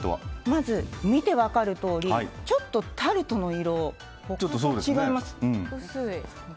まず、見て分かるとおりちょっとタルトの色が違いますよね。